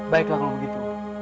baiklah kalau begitu